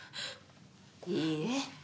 いいえ。